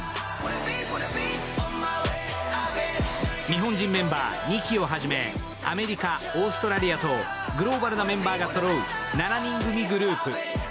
日本人メンバー、ＮＩ−ＫＩをはじめ、アメリカ、オーストラリアとグローバルなメンバーがそろう７人組グループ。